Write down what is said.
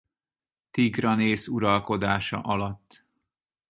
Tigranész uralkodása alatt.